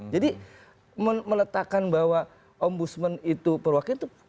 jadi meletakkan bahwa om busman itu perwakilan